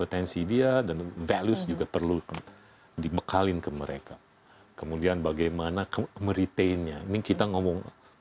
potensi dia dan values juga perlu dibekalin ke mereka kemudian bagaimana meretainnya ini kita ngomong